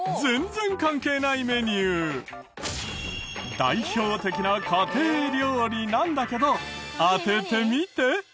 代表的な家庭料理なんだけど当ててみて。